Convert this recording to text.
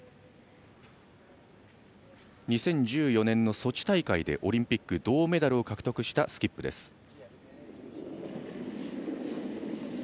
２０１４年のソチ大会でオリンピック銅メダルを獲得したスキップです。